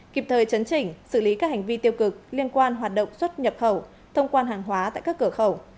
kịp thời chấn chỉnh xử lý các hành vi tiêu cực liên quan hoạt động xuất nhập khẩu thông quan hàng hóa tại các cửa khẩu